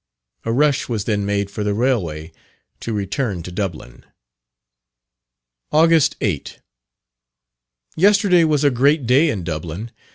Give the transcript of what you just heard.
A rush was then made for the railway, to return to Dublin. August 8. Yesterday was a great day in Dublin.